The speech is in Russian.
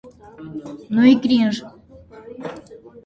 Ну и кринж!